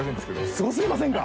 すごすぎませんか？